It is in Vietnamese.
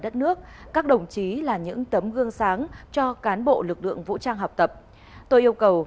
trần thánh tông hà nội